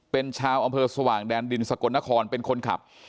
เป็นชาวอำเภอสว่างแดนดินสกลนครเป็นคนขับ